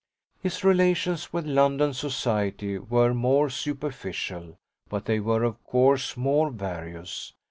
His relations with London society were more superficial, but they were of course more various.